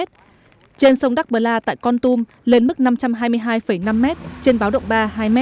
trên sông đắc bờ la tại con tum lên mức năm trăm hai mươi hai năm m trên báo động ba hai m